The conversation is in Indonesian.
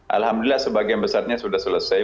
alhamdulillah sebagian besarnya sudah selesai